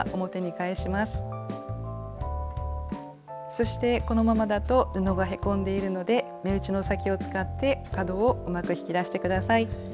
そしてこのままだと布がへこんでいるので目打ちの先を使って角をうまく引き出して下さい。